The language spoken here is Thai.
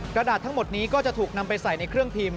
กระดาษทั้งหมดนี้ก็จะถูกนำไปใส่ในเครื่องพิมพ์